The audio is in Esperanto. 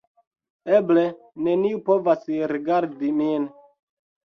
Eble, neniu povas rigardi min